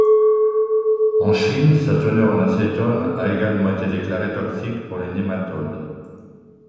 En Chine, sa teneur en acétone a également été déclarée toxique pour les nématodes.